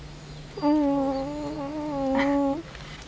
うん。